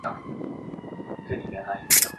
也有人认为美国与此事也有关连。